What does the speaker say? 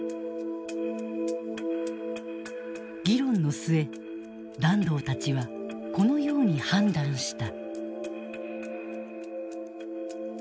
議論の末團藤たちはこのように判断した。